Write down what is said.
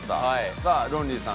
さあロンリーさん